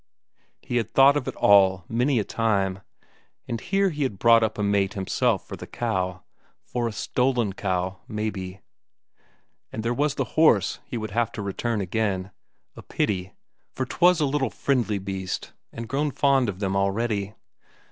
He had thought of it all many a time. And here he had brought up a mate himself for the cow for a stolen cow, maybe! And there was the horse he would have to return again. A pity for 'twas a little friendly beast, and grown fond of them already.